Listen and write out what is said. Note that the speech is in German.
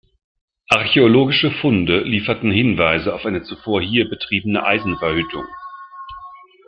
Archäologische Funde lieferten Hinweise auf eine zuvor hier betriebene Eisenverhüttung.